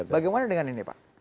bagaimana dengan ini pak